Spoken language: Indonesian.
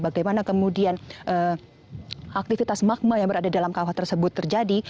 bagaimana kemudian aktivitas magma yang berada dalam kawah tersebut terjadi